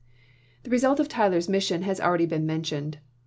The result of Tyler's mission has already been mentioned.